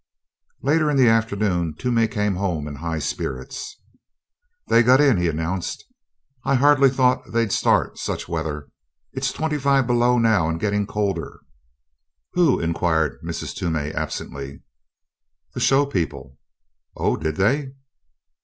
Later in the afternoon Toomey came home in high spirits. "They got in!" he announced. "I hardly thought they'd start, such weather. It's twenty five below now and getting colder." "Who?" inquired Mrs. Toomey, absently. "The show people." "Oh, did they?"